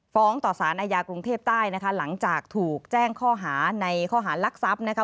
ฟ้องต่อสารอาญากรุงเทพใต้นะคะหลังจากถูกแจ้งข้อหาในข้อหารลักทรัพย์นะคะ